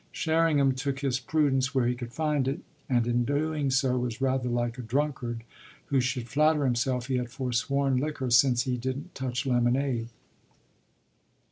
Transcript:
Sherringham took his prudence where he could find it, and in doing so was rather like a drunkard who should flatter himself he had forsworn liquor since he didn't touch lemonade.